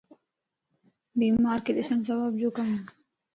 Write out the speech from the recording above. بيمارکَ ڏسڻ ثواب جو ڪمَ